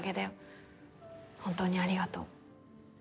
本当にありがとう。